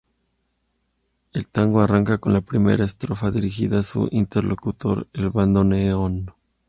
El tango arranca con la primera estrofa dirigida a su interlocutor, el bandoneón.